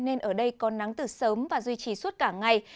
nên ở đây có nắng từ sớm và duy trì suốt cả ngày